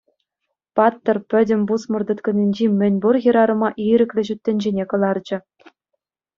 Паттӑр пӗтӗм пусмӑр тыткӑнӗнчи мӗн пур хӗрарӑма ирӗклӗ ҫут тӗнчене кӑларчӗ.